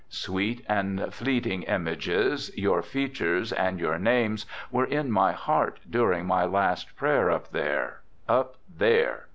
Sweet and fleeting images, your features, and your names, were in my heart during my last prayer up there, up there!